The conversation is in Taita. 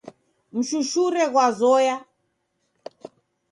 Mshushure ghwazoya